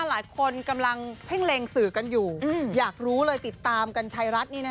หลายคนกำลังเพ่งเล็งสื่อกันอยู่อยากรู้เลยติดตามกันไทยรัฐนี่นะ